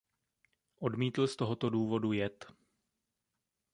Odmítl z tohoto důvodu jet.